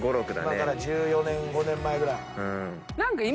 今から１４年１５年前ぐらい。